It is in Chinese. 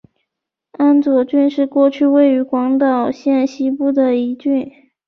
安佐郡是过去位于广岛县西部的一郡。